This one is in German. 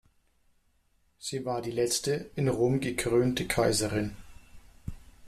Sie war die letzte in Rom gekrönte Kaiserin.